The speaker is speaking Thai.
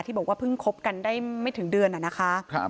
บอกว่าเพิ่งคบกันได้ไม่ถึงเดือนนะคะ